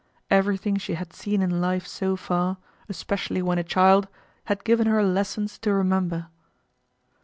Everything she had seen in life so far, especially when a child, had given her lessons to remember.